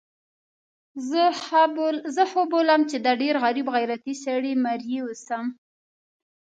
زه ښه بولم چې د ډېر غریب غیرتي سړي مریی اوسم.